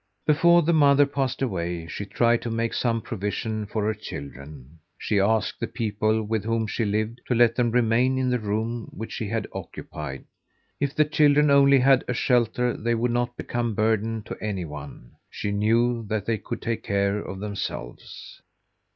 Before the mother passed away, she tried to make some provision for her children. She asked the people with whom she lived to let them remain in the room which she had occupied. If the children only had a shelter they would not become a burden to any one. She knew that they could take care of themselves.